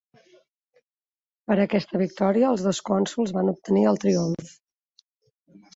Per aquesta victòria els dos cònsols van obtenir el triomf.